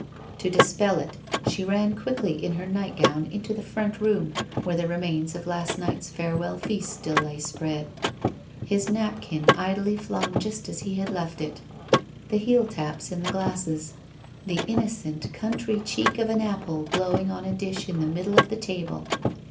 To dispel it she ran quickly in her night gown into the front room where the remains of last night's farewell feast still lay spread. His napkin idly flung just as he had left it — the heel taps in the glasses — the innocent country cheek of an apple glowing on a dish in the middle of the table